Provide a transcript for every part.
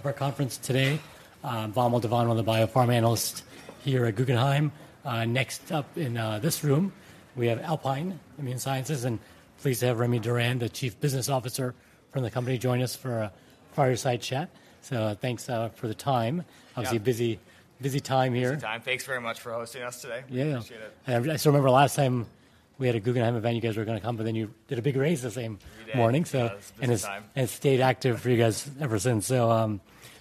Day two of our conference today. Vamil Divan, one of the biopharma analysts here at Guggenheim. Next up in this room, we have Alpine Immune Sciences, and pleased to have Remy Durand, the Chief Business Officer from the company, join us for a fireside chat. So thanks for the time. Yeah. Obviously, a busy, busy time here. Busy time. Thanks very much for hosting us today. Yeah, yeah. Appreciate it. I still remember the last time we had a Guggenheim event. You guys were gonna come, but then you did a big raise the same- Yeah morning, so It was a busy time. It's stayed active for you guys ever since. So,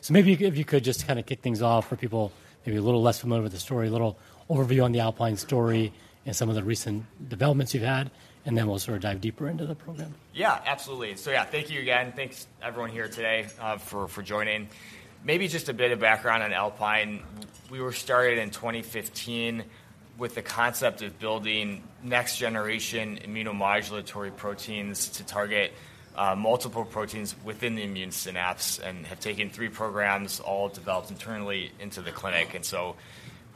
maybe if you could just kind of kick things off for people maybe a little less familiar with the story, a little overview on the Alpine story and some of the recent developments you've had, and then we'll sort of dive deeper into the program. Yeah, absolutely. So yeah, thank you again, thanks everyone here today, for joining. Maybe just a bit of background on Alpine. We were started in 2015 with the concept of building next-generation immunomodulatory proteins to target multiple proteins within the immune synapse and have taken three programs, all developed internally, into the clinic. And so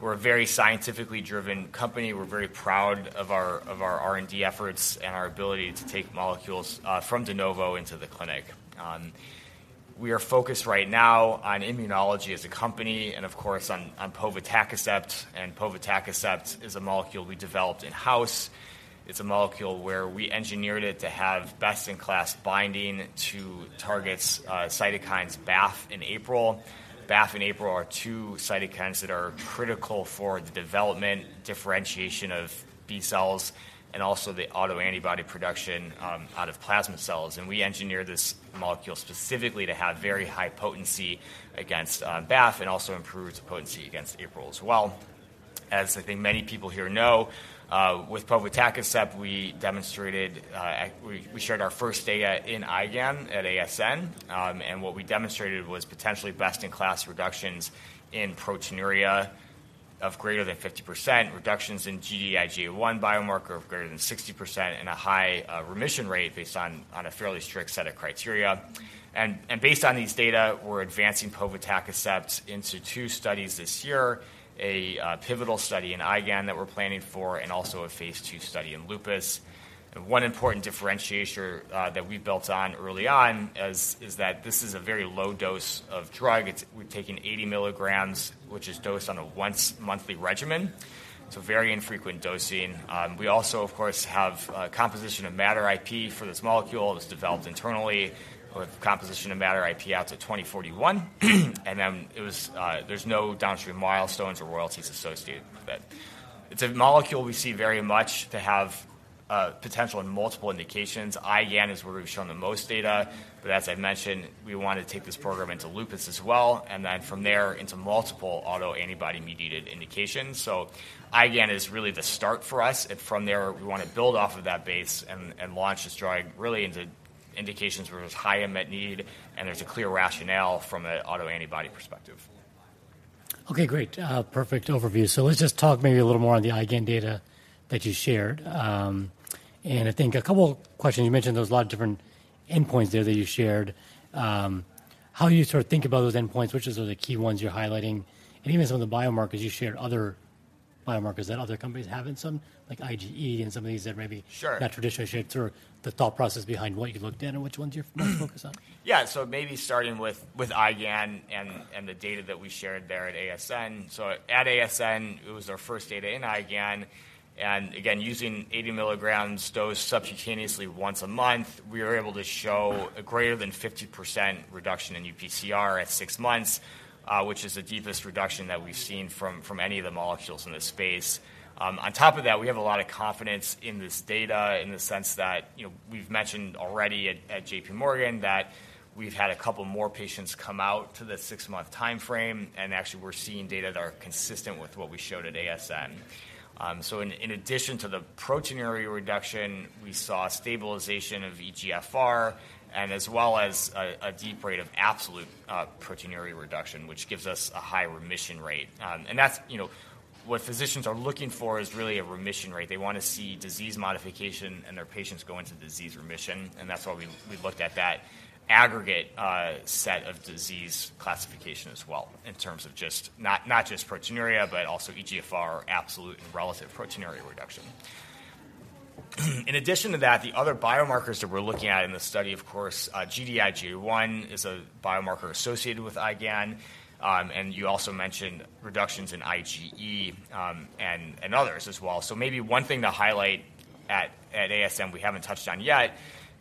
we're a very scientifically driven company. We're very proud of our R&D efforts and our ability to take molecules from de novo into the clinic. We are focused right now on immunology as a company and, of course, on povetacicept, and povetacicept is a molecule we developed in-house. It's a molecule where we engineered it to have best-in-class binding to targets, cytokines, BAFF and APRIL. BAFF and APRIL are two cytokines that are critical for the development, differentiation of B cells and also the autoantibody production out of plasma cells. We engineered this molecule specifically to have very high potency against BAFF and also improved potency against APRIL as well. As I think many people here know, with povetacicept, we shared our first data in IgAN at ASN, and what we demonstrated was potentially best-in-class reductions in proteinuria of greater than 50%, reductions in Gd-IgA1 biomarker of greater than 60%, and a high remission rate based on a fairly strict set of criteria. Based on these data, we're advancing povetacicept into two studies this year, a pivotal study in IgAN that we're planning for and also a phase 2 study in lupus. One important differentiator that we built on early on is that this is a very low dose of drug. It's we're taking 80 milligrams, which is dosed on a once monthly regimen, so very infrequent dosing. We also, of course, have a composition of matter IP for this molecule. It was developed internally with composition of matter IP out to 2041, and then there's no downstream milestones or royalties associated with it. It's a molecule we see very much to have potential in multiple indications. IgAN is where we've shown the most data, but as I've mentioned, we want to take this program into lupus as well, and then from there, into multiple autoantibody-mediated indications. IgAN is really the start for us, and from there, we want to build off of that base and launch this drug really into indications where there's high unmet need, and there's a clear rationale from an autoantibody perspective. Okay, great. Perfect overview. So let's just talk maybe a little more on the IgAN data that you shared. And I think a couple questions, you mentioned there was a lot of different endpoints there that you shared. How do you sort of think about those endpoints? Which are sort of the key ones you're highlighting? And even some of the biomarkers, you shared other biomarkers that other companies have in some, like IgE and some of these that maybe- Sure. not traditionally shaped or the thought process behind what you looked at and which ones you're going to focus on. Yeah. So maybe starting with IgAN and the data that we shared there at ASN. So at ASN, it was our first data in IgAN, and again, using 80 milligrams dosed subcutaneously once a month, we were able to show a greater than 50% reduction in UPCR at 6 months, which is the deepest reduction that we've seen from any of the molecules in this space. On top of that, we have a lot of confidence in this data in the sense that, you know, we've mentioned already at JP Morgan that we've had a couple more patients come out to the 6-month timeframe, and actually, we're seeing data that are consistent with what we showed at ASN. So in addition to the proteinuria reduction, we saw stabilization of eGFR as well as a deep rate of absolute proteinuria reduction, which gives us a high remission rate. And that's, you know, what physicians are looking for is really a remission rate. They want to see disease modification and their patients go into disease remission, and that's why we looked at that aggregate set of disease classification as well, in terms of just not just proteinuria, but also eGFR, absolute and relative proteinuria reduction. In addition to that, the other biomarkers that we're looking at in this study, of course, Gd-IgA1 is a biomarker associated with IgAN, and you also mentioned reductions in IgE, and others as well. So maybe one thing to highlight at ASN we haven't touched on yet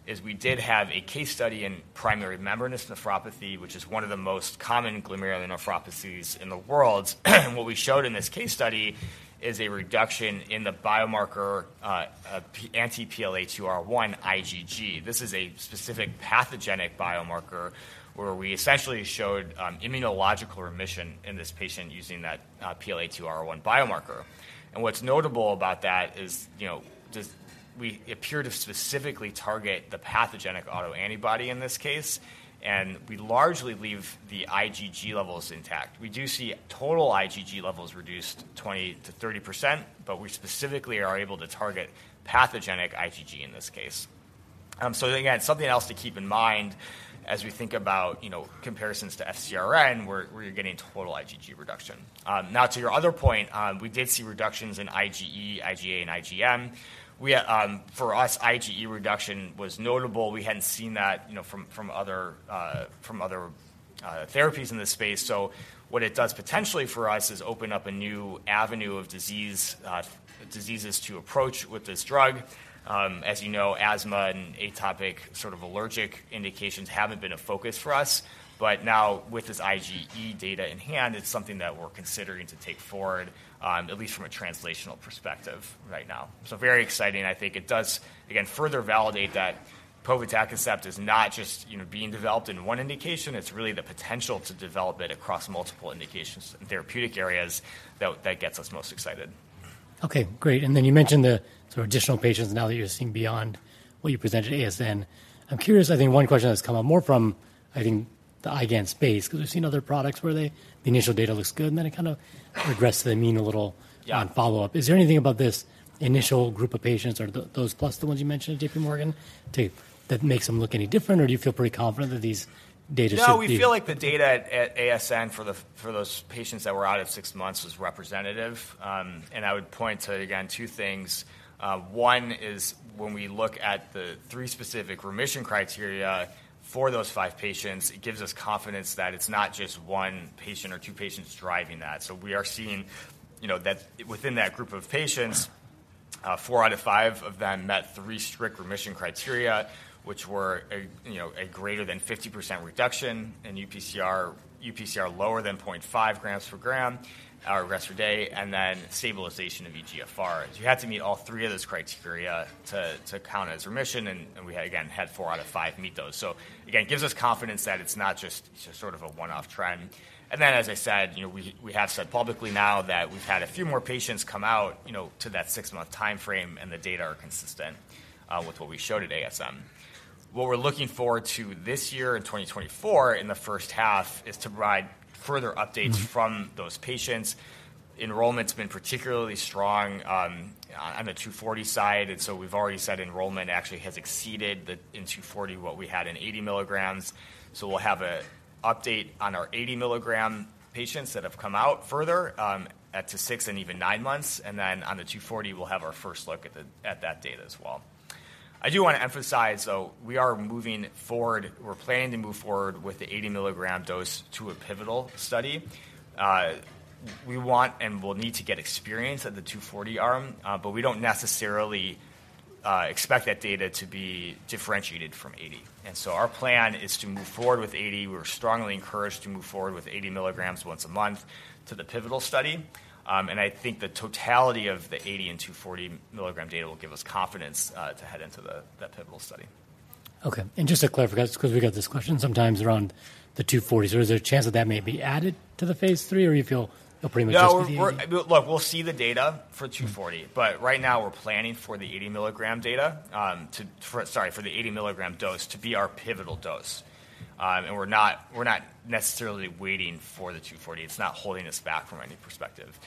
is we did have a case study in primary membranous nephropathy, which is one of the most common glomerular nephropathies in the world. And what we showed in this case study is a reduction in the biomarker, anti-PLA2R1 IgG. This is a specific pathogenic biomarker where we essentially showed immunological remission in this patient using that PLA2R1 biomarker. And what's notable about that is, you know, just we appear to specifically target the pathogenic autoantibody in this case, and we largely leave the IgG levels intact We do see total IgG levels reduced 20%-30%, but we specifically are able to target pathogenic IgG in this case. So again, something else to keep in mind as we think about, you know, comparisons to FcRn, where you're getting total IgG reduction. Now, to your other point, we did see reductions in IgE, IgA, and IgM. For us, IgE reduction was notable. We hadn't seen that, you know, from other therapies in this space. So what it does potentially for us is open up a new avenue of diseases to approach with this drug. As you know, asthma and atopic, sort of allergic indications haven't been a focus for us, but now with this IgE data in hand, it's something that we're considering to take forward, at least from a translational perspective right now. So very exciting, I think it does, again, further validate that povetacicept is not just, you know, being developed in one indication. It's really the potential to develop it across multiple indications and therapeutic areas that gets us most excited. Okay, great. And then you mentioned the sort of additional patients now that you're seeing beyond what you presented at ASN. I'm curious, I think one question that's come up more from, I think, the IgAN space, because we've seen other products where they- the initial data looks good, and then it kind of regresses to the mean a little- Yeah. on follow-up. Is there anything about this initial group of patients or the, those plus the ones you mentioned at J.P. Morgan, that makes them look any different, or do you feel pretty confident that these data should be No, we feel like the data at ASN for those patients that were out at six months was representative. And I would point to, again, two things. One is when we look at the three specific remission criteria for those five patients, it gives us confidence that it's not just one patient or two patients driving that. So we are seeing, you know, that within that group of patients, four out of five of them met three strict remission criteria, which were, you know, a greater than 50% reduction in UPCR, UPCR lower than 0.5 grams per gram, rest per day, and then stabilization of eGFR. You had to meet all three of those criteria to count as remission, and we, again, had four out of five meet those. So again, it gives us confidence that it's not just sort of a one-off trend. And then, as I said, you know, we, we have said publicly now that we've had a few more patients come out, you know, to that 6-month timeframe, and the data are consistent with what we showed at ASN. What we're looking forward to this year in 2024, in the first half, is to provide further updates from those patients. Enrollment's been particularly strong on, on the 240 side, and so we've already said enrollment actually has exceeded the, in 240 what we had in 80 milligrams. So we'll have an update on our 80 milligram patients that have come out further, out to 6 and even 9 months, and then on the 240, we'll have our first look at the, at that data as well. I do want to emphasize, though, we are moving forward, we're planning to move forward with the 80 milligram dose to a pivotal study. We want and will need to get experience at the 240 arm, but we don't necessarily expect that data to be differentiated from 80. And so our plan is to move forward with 80. We're strongly encouraged to move forward with 80 milligrams once a month to the pivotal study. And I think the totality of the 80 and 240 milligram data will give us confidence to head into the, that pivotal study. Okay. And just to clarify, because we got this question sometimes around the 240s. Is there a chance that that may be added to the phase 3, or you feel it'll pretty much just be the 80? No, we're Look, we'll see the data for 240, but right now we're planning for the 80 milligram data, sorry, for the 80 milligram dose to be our pivotal dose. And we're not necessarily waiting for the 240. It's not holding us back from any perspective.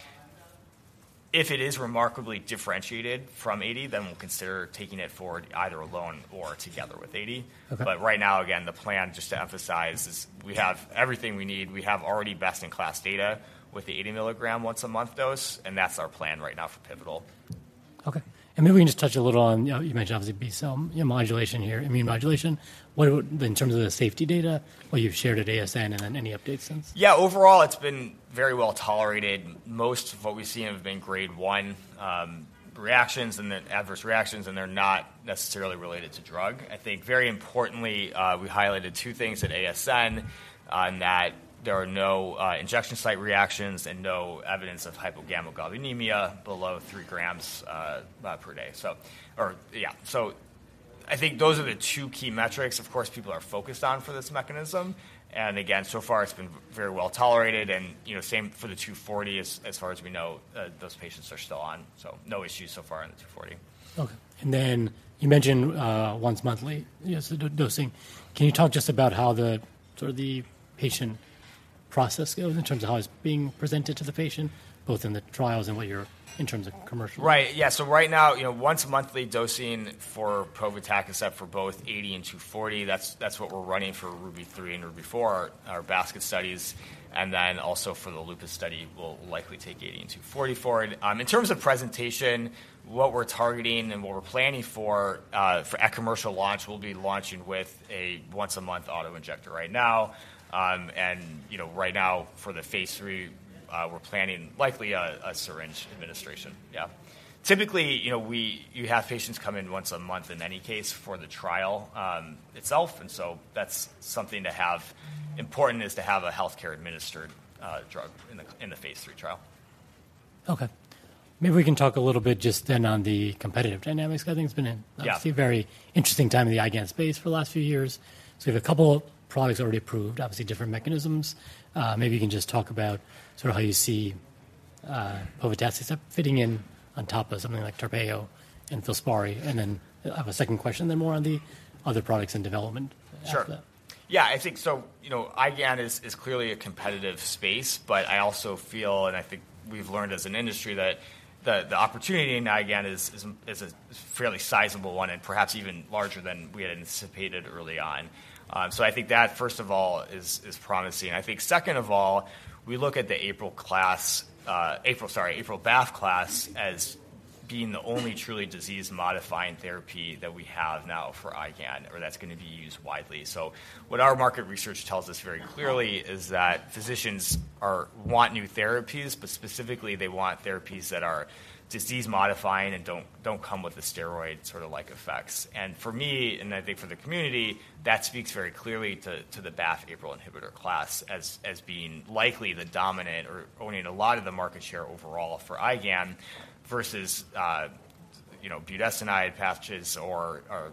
If it is remarkably differentiated from 80, then we'll consider taking it forward, either alone or together with 80. Okay. But right now, again, the plan, just to emphasize, is we have everything we need. We have already best-in-class data with the 80 milligram once a month dose, and that's our plan right now for pivotal. Okay. Maybe we can just touch a little on, you know, you mentioned obviously B cell, you know, modulation here, immune modulation. What about in terms of the safety data, what you've shared at ASN and then any updates since? Yeah. Overall, it's been very well tolerated. Most of what we've seen have been grade 1 reactions and then adverse reactions, and they're not necessarily related to drug. I think very importantly, we highlighted two things at ASN, in that there are no injection site reactions and no evidence of hypogammaglobulinemia below 3 grams per day. Or, yeah. So I think those are the two key metrics, of course, people are focused on for this mechanism, and again, so far it's been very well tolerated, and, you know, same for the 240. As far as we know, those patients are still on, so no issues so far on the 240. Okay. And then you mentioned once-monthly, yes, the dosing. Can you talk just about how the, sort of, patient process goes in terms of how it's being presented to the patient, both in the trials and what you're in terms of commercial? Right. Yeah, so right now, you know, once-monthly dosing for povetacicept for both 80 and 240, that's, that's what we're running for RUBY-3 and RUBY-4, our basket studies, and then also for the lupus study, we'll likely take 80 and 240 for it. In terms of presentation, what we're targeting and what we're planning for, for at commercial launch, we'll be launching with a once-a-month auto-injector right now. And, you know, right now, for the phase 3, we're planning likely a syringe administration. Yeah. Typically, you know, you have patients come in once a month in any case for the trial itself, and so that's something to have. Important is to have a healthcare administered drug in the phase 3 trial. Okay. Maybe we can talk a little bit just then on the competitive dynamics. I think it's been a- Yeah Obviously very interesting time in the IgAN space for the last few years. So we have a couple products already approved, obviously different mechanisms. Maybe you can just talk about sort of how you see, uh, povetacicept fitting in on top of something like Tarpeyo and Filspari. And then I have a second question, then more on the other products in development- Sure After that. Yeah, I think so, you know, IgAN is clearly a competitive space, but I also feel, and I think we've learned as an industry, that the opportunity in IgAN is a fairly sizable one and perhaps even larger than we had anticipated early on. Uh, so I think that, first of all, is promising. I think second of all, we look at the APRIL class, uh, APRIL, sorry, APRIL BAFF class as being the only truly disease-modifying therapy that we have now for IgAN or that's going to be used widely. So what our market research tells us very clearly is that physicians are want new therapies, but specifically, they want therapies that are disease-modifying and don't come with the steroid sort of like effects. And for me, and I think for the community, that speaks very clearly to, to the BAFF APRIL inhibitor class as, as being likely the dominant or owning a lot of the market share overall for IgAN versus, you know, budesonide approaches or, or,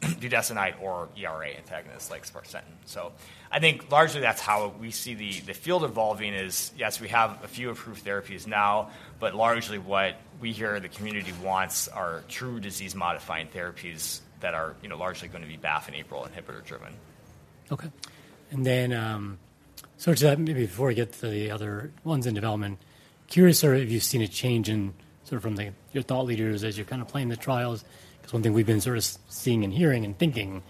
budesonide or ERA antagonists like sparsentan. So I think largely that's how we see the, the field evolving is, yes, we have a few approved therapies now, but largely what we hear the community wants are true disease-modifying therapies that are, you know, largely going to be BAFF and APRIL inhibitor-driven. Okay. And then, so just maybe before we get to the other ones in development, curious sort of if you've seen a change in sort of from the, your thought leaders as you're kind of playing the trials, because one thing we've been sort of seeing and hearing and thinking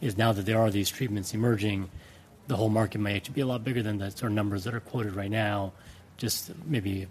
is now that there are these treatments emerging, the whole market may actually be a lot bigger than the sort of numbers that are quoted right now, just maybe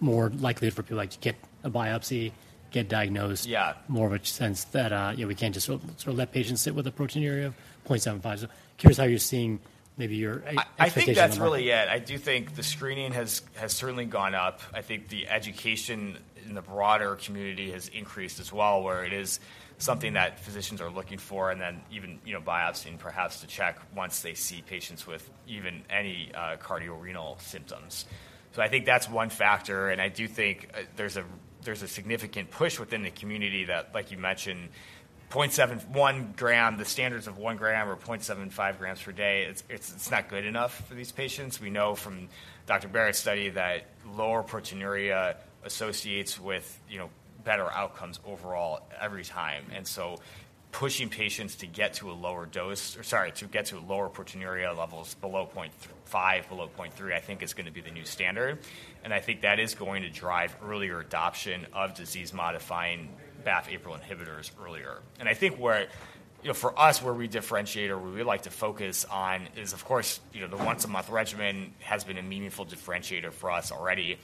more likely for people, like, to get a biopsy, get diagnosed. Yeah. More of a sense that, yeah, we can't just sort of let patients sit with a proteinuria of 0.75. So curious how you're seeing maybe your expectation in the market? I think that's really it. I do think the screening has certainly gone up. I think the education in the broader community has increased as well, where it is something that physicians are looking for, and then even, you know, biopsying perhaps to check once they see patients with even any cardiorenal symptoms. So I think that's one factor, and I do think there's a significant push within the community that, like you mentioned, 0.71 gram, the standards of 1 gram or 0.75 grams per day, it's not good enough for these patients. We know from Dr. Barratt's study that lower proteinuria associates with, you know, better outcomes overall every time. And so pushing patients to get to a lower dose, or sorry, to get to lower proteinuria levels below 0.5, below 0.3, I think is gonna be the new standard. And I think that is going to drive earlier adoption of disease-modifying BAFF APRIL inhibitors earlier. And I think where, you know, for us, where we differentiate or where we like to focus on is, of course, you know, the once-a-month regimen has been a meaningful differentiator for us already.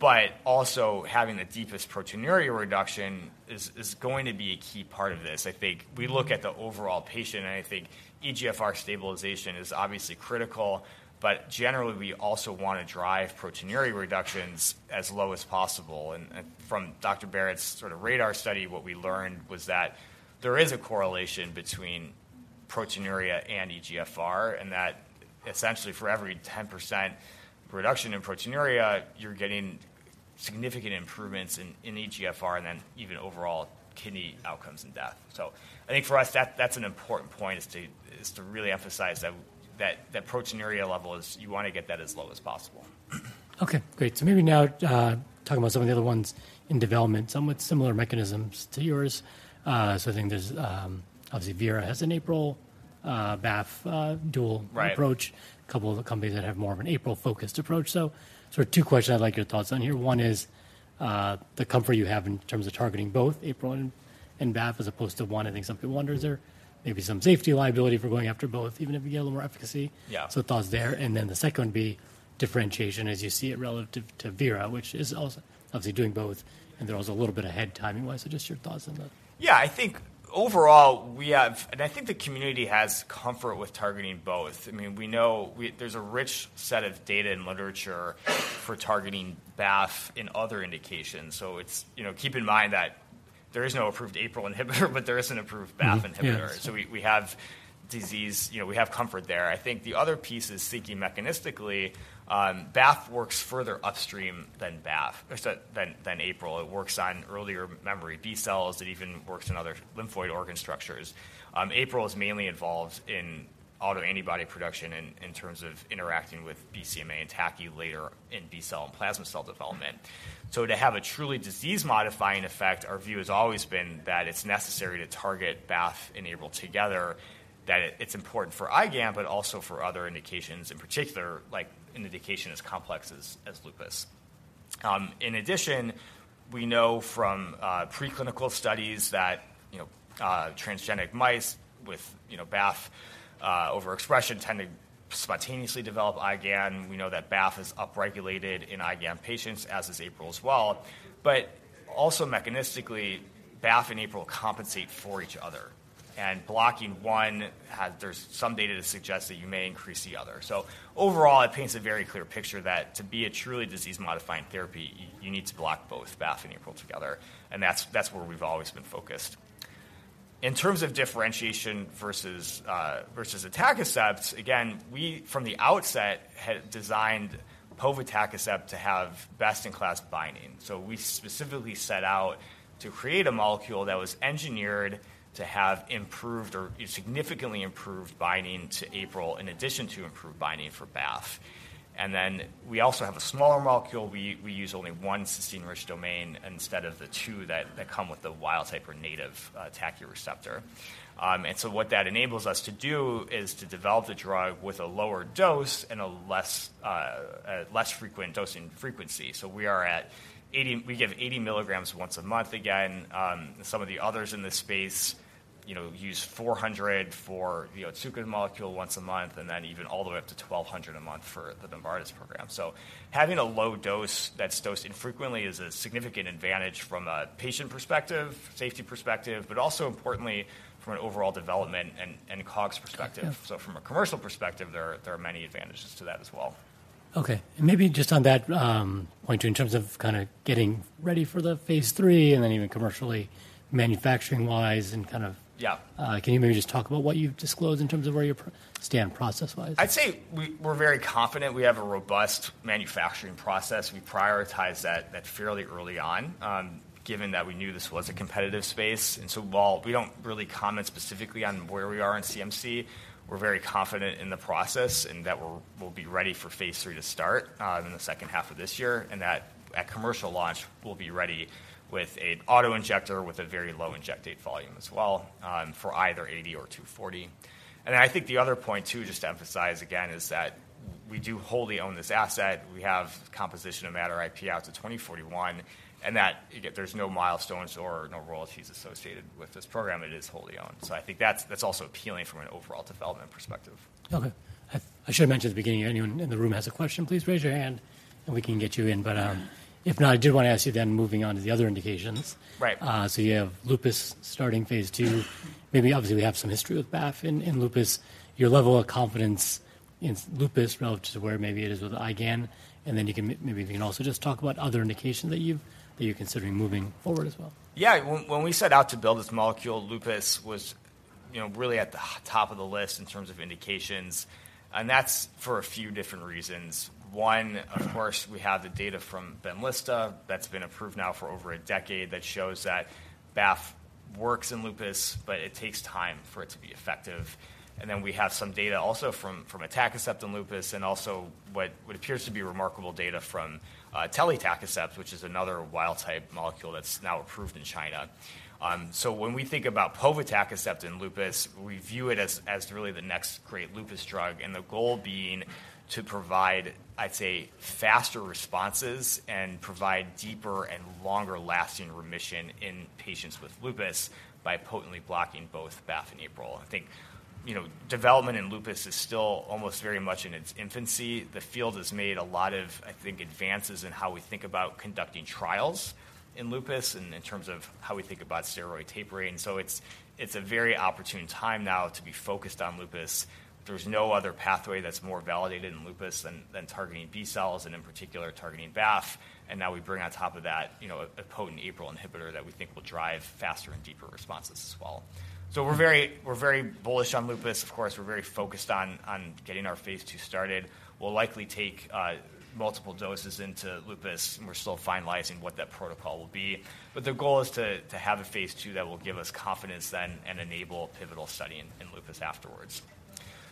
But also having the deepest proteinuria reduction is, is going to be a key part of this. I think we look at the overall patient, and I think eGFR stabilization is obviously critical, but generally, we also want to drive proteinuria reductions as low as possible. And from Dr. Barratt's RADAR study, what we learned was that there is a correlation between proteinuria and eGFR, and that essentially for every 10% reduction in proteinuria, you're getting significant improvements in, in eGFR and then even overall kidney outcomes and death. So I think for us, that, that's an important point is to, is to really emphasize that, that, that proteinuria level is you wanna get that as low as possible. Okay, great. So maybe now, talk about some of the other ones in development, somewhat similar mechanisms to yours. So I think there's, obviously, Vera has an APRIL, BAFF, dual- Right. Approach, a couple of the companies that have more of an APRIL-focused approach. So sort of two questions I'd like your thoughts on here. One is, the comfort you have in terms of targeting both APRIL and, and BAFF as opposed to one. I think some people wonder, is there maybe some safety liability for going after both, even if you get a little more efficacy? Yeah. So thoughts there, and then the second would be differentiation as you see it relative to Vera, which is also obviously doing both, and there was a little bit ahead timing-wise. So just your thoughts on that. Yeah, I think overall, we have... And I think the community has comfort with targeting both. I mean, we know there's a rich set of data and literature for targeting BAFF in other indications. So it's, you know, keep in mind that there is no approved APRIL inhibitor, but there is an approved BAFF inhibitor. Yes. So we have disease, you know, we have comfort there. I think the other piece is thinking mechanistically. BAFF works further upstream than BAFF, than April. It works on earlier memory B cells. It even works on other lymphoid organ structures. APRIL is mainly involved in autoantibody production in terms of interacting with BCMA and TACI later in B cell and plasma cell development. So to have a truly disease-modifying effect, our view has always been that it's necessary to target BAFF and APRIL together, that it's important for IgAN, but also for other indications, in particular, like an indication as complex as lupus. In addition, we know from preclinical studies that, you know, transgenic mice with BAFF overexpression tend to spontaneously develop IgAN. We know that BAFF is upregulated in IgAN patients, as is APRIL as well. But also mechanistically, BAFF and APRIL compensate for each other, and blocking one, there's some data to suggest that you may increase the other. So overall, it paints a very clear picture that to be a truly disease-modifying therapy, you, you need to block both BAFF and APRIL together, and that's, that's where we've always been focused. In terms of differentiation versus versus atacicept, again, we, from the outset, had designed povetacicept to have best-in-class binding. So we specifically set out to create a molecule that was engineered to have improved or significantly improved binding to APRIL, in addition to improved binding for BAFF. And then we also have a smaller molecule. We use only one cysteine-rich domain instead of the two that come with the wild type or native TACI receptor. And so what that enables us to do is to develop the drug with a lower dose and a less frequent dosing frequency. So we give 80 milligrams once a month again. Some of the others in this space, you know, use 400 for two good molecule once a month, and then even all the way up to 1,200 a month for the Novartis program. So having a low dose that's dosed infrequently is a significant advantage from a patient perspective, safety perspective, but also importantly from an overall development and COGS perspective. So from a commercial perspective, there are many advantages to that as well. Okay, and maybe just on that point, in terms of kind of getting ready for the phase 3 and then even commercially manufacturing-wise and kind of- Yeah. Can you maybe just talk about what you've disclosed in terms of where you stand process-wise? I'd say we're very confident we have a robust manufacturing process. We prioritize that fairly early on, given that we knew this was a competitive space. And so while we don't really comment specifically on where we are in CMC, we're very confident in the process, and that we'll be ready for phase III to start in the second half of this year. And that at commercial launch, we'll be ready with an auto-injector with a very low injectate volume as well, for either 80 or 240. And I think the other point, too, just to emphasize again, is that we do wholly own this asset. We have composition of matter IP out to 2041, and that, again, there's no milestones or no royalties associated with this program. It is wholly owned. I think that's also appealing from an overall development perspective. Okay. I should have mentioned at the beginning, anyone in the room has a question, please raise your hand, and we can get you in. But, if not, I did want to ask you then moving on to the other indications. Right. So you have lupus starting phase 2. Maybe obviously, we have some history with BAFF in lupus. Your level of confidence in lupus relative to where maybe it is with IgAN, and then you can maybe you can also just talk about other indications that you've, that you're considering moving forward as well. Yeah. When we set out to build this molecule, lupus was, you know, really at the top of the list in terms of indications, and that's for a few different reasons. One, of course, we have the data from Benlysta that's been approved now for over a decade that shows that BAFF works in lupus, but it takes time for it to be effective. And then we have some data also from atacicept in lupus, and also what appears to be remarkable data from telitacicept, which is another wild-type molecule that's now approved in China. So when we think about povetacicept in lupus, we view it as really the next great lupus drug, and the goal being to provide, I'd say, faster responses and provide deeper and longer-lasting remission in patients with lupus by potently blocking both BAFF and APRIL. I think, you know, development in lupus is still almost very much in its infancy. The field has made a lot of, I think, advances in how we think about conducting trials in lupus and in terms of how we think about steroid tapering. So it's, it's a very opportune time now to be focused on lupus. There's no other pathway that's more validated in lupus than, than targeting B cells, and in particular, targeting BAFF. And now we bring on top of that, you know, a potent APRIL inhibitor that we think will drive faster and deeper responses as well. So we're very, we're very bullish on lupus. Of course, we're very focused on, on getting our phase II started. We'll likely take multiple doses into lupus, and we're still finalizing what that protocol will be. The goal is to have a phase II that will give us confidence then and enable a pivotal study in lupus afterwards.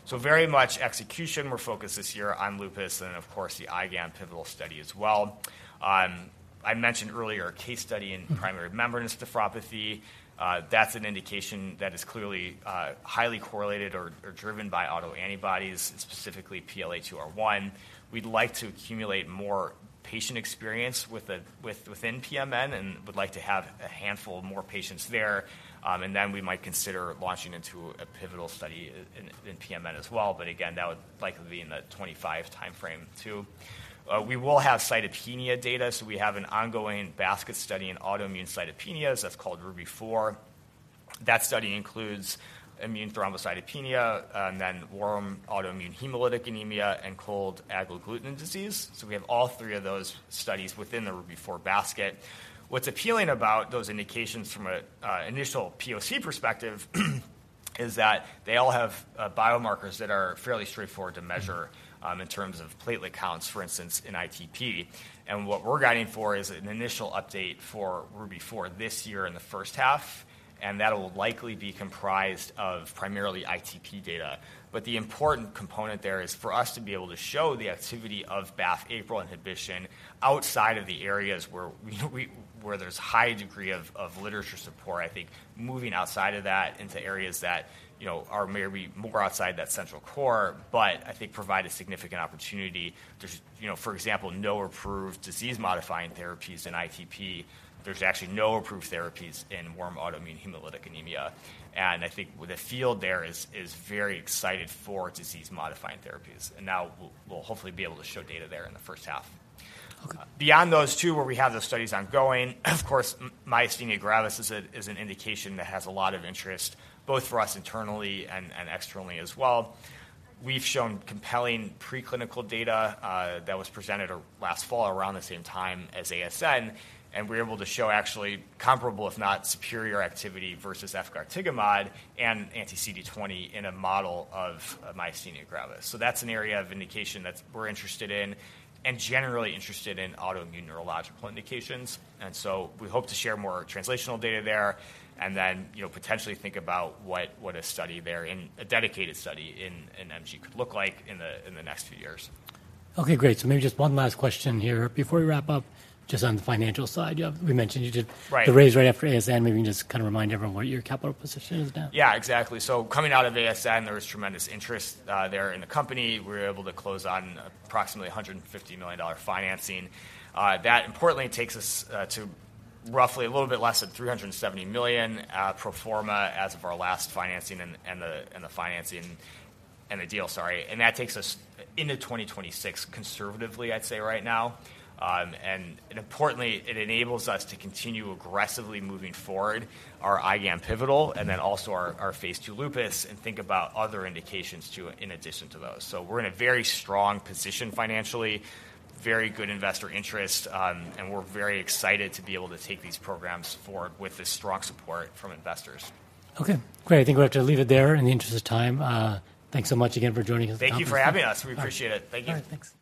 Very much execution. We're focused this year on lupus and, of course, the IgAN pivotal study as well. I mentioned earlier a case study in primary membranous nephropathy. That's an indication that is clearly highly correlated or driven by autoantibodies, specifically PLA2R1. We'd like to accumulate more patient experience within PMN and would like to have a handful of more patients there. Then we might consider launching into a pivotal study in PMN as well. Again, that would likely be in the 2025 timeframe too. We will have cytopenia data, so we have an ongoing basket study in autoimmune cytopenias. That's called RUBY-4. That study includes immune thrombocytopenia and then warm autoimmune hemolytic anemia, and cold agglutinin disease. So we have all three of those studies within the RUBY-4 basket. What's appealing about those indications from an initial POC perspective is that they all have biomarkers that are fairly straightforward to measure in terms of platelet counts, for instance, in ITP. And what we're guiding for is an initial update for RUBY-4 this year in the first half, and that'll likely be comprised of primarily ITP data. But the important component there is for us to be able to show the activity of BAFF/APRIL inhibition outside of the areas where there's high degree of literature support. I think moving outside of that into areas that you know are maybe more outside that central core, but I think provide a significant opportunity. There's, you know, for example, no approved disease-modifying therapies in ITP. There's actually no approved therapies in warm autoimmune hemolytic anemia, and I think the field there is very excited for disease-modifying therapies. And now we'll hopefully be able to show data there in the first half. Okay. Beyond those two, where we have the studies ongoing, of course, myasthenia gravis is an indication that has a lot of interest, both for us internally and externally as well. We've shown compelling preclinical data that was presented last fall around the same time as ASN, and we're able to show actually comparable, if not superior, activity versus efgartigimod and anti-CD20 in a model of myasthenia gravis. So that's an area of indication that we're interested in and generally interested in autoimmune neurological indications. And so we hope to share more translational data there and then, you know, potentially think about what a study there in a dedicated study in MG could look like in the next few years. Okay, great. So maybe just one last question here before we wrap up. Just on the financial side, you have... We mentioned you did- Right. the raise right after ASN. Maybe you can just kind of remind everyone what your capital position is now. Yeah, exactly. So coming out of ASN, there was tremendous interest there in the company. We were able to close on approximately $150 million financing. That importantly takes us to roughly a little bit less than $370 million pro forma as of our last financing and the financing, and the deal, sorry. And that takes us into 2026, conservatively, I'd say right now. And importantly, it enables us to continue aggressively moving forward our IgAN pivotal, and then also our phase II lupus, and think about other indications too, in addition to those. So we're in a very strong position financially, very good investor interest, and we're very excited to be able to take these programs forward with the strong support from investors. Okay, great. I think we have to leave it there in the interest of time. Thanks so much again for joining us. Thank you for having us. We appreciate it. Thank you. All right, thanks.